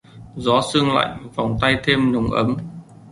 Gió sương lạnh vòng tay thêm nồng ấm